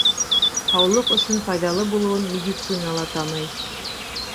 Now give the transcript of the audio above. Һаулыҡ өсөн файҙалы булыуын медицина ла таный.